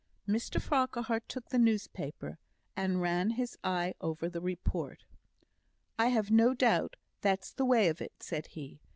Mr Farquhar took the newspaper, and ran his eye over the report. "I've no doubt that's the way of it," said he.